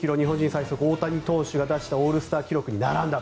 最速大谷投手が出したオールスター記録に並んだ。